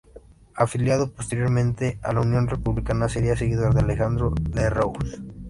Afiliado posteriormente a la Unión Republicana, sería seguidor de Alejandro Lerroux.